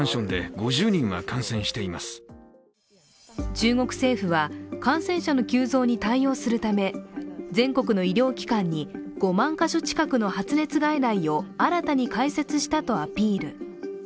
中国政府は感染者の急増に対応するため全国の医療機関に５万か所近くの発熱外来を新たに開設したとアピール。